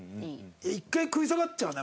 １回食い下がっちゃうな。